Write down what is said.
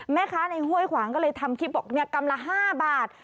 แม่คะในห้วยขวางก็เลยทำคลิปออกเนี่ยกำลังห้าบาท